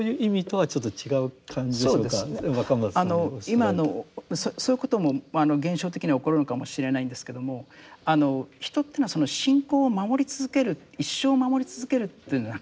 今のそういうことも現象的には起こるのかもしれないんですけども人というのは信仰を守り続ける一生守り続けるというのはなかなか難しい。